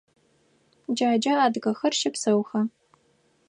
Джаджэ адыгэхэр щэпсэуха?